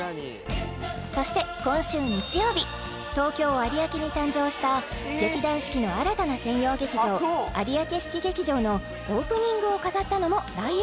そして今週日曜日東京・有明に誕生した劇団四季の新たな専用劇場有明四季劇場のオープニングを飾ったのも「ライオンキング」